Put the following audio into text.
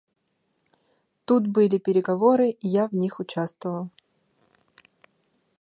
Тут были переговоры, и я в них участвовал.